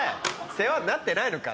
世話になってないのか？